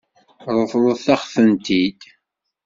Ṛeḍlet-aɣ-tent-id.